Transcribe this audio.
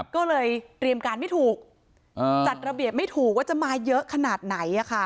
ก็เลยเตรียมการไม่ถูกจัดระเบียบไม่ถูกว่าจะมาเยอะขนาดไหน